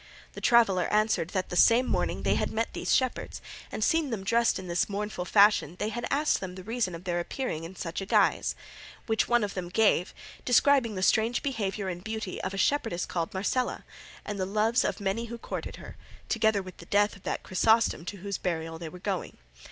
The traveller answered that the same morning they had met these shepherds, and seeing them dressed in this mournful fashion they had asked them the reason of their appearing in such a guise; which one of them gave, describing the strange behaviour and beauty of a shepherdess called Marcela, and the loves of many who courted her, together with the death of that Chrysostom to whose burial they were going.